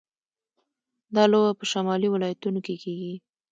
دا لوبه په شمالي ولایتونو کې کیږي.